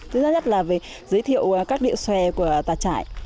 thứ nhất là giới thiệu các địa xòe của tà trải